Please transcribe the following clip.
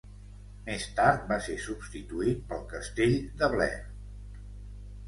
Més tard va ser substituït pel castell de Blair.